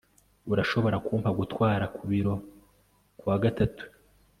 urashobora kumpa gutwara ku biro kuwa gatatu